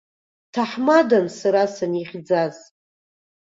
Дҭаҳмадан сара санихьӡаз.